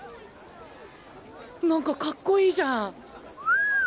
なんかかっこいいじゃん。